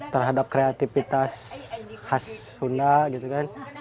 terhadap kreativitas khas sunda gitu kan